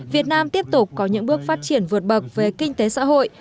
việt nam tiếp tục có những bước phát triển vượt bậc về kinh tế xã hội